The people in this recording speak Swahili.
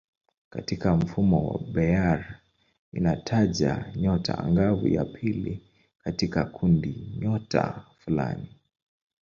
Katika mfumo wa Bayer inataja nyota angavu ya pili katika kundinyota fulani.